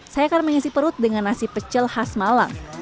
saya akan mengisi perut dengan nasi pecel khas malang